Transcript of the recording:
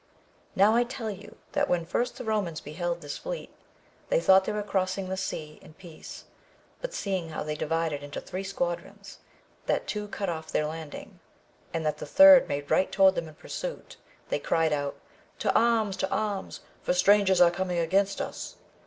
Now I tell you that when first the Eomans beheld this fleet, they thought they were crossing the sea in AMADIS OF GAUL. 63 peace ; but seeing how they divided into three squad rons, that two cut off their landing, and that the third made right toward them in pursuit, they cried out, To arms !— to arms ! for strangers are coming against us